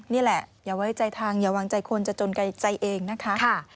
นี่แหละอย่าไว้ใจทางอย่าวางใจคนจะจนใกล้ใจเองนะคะ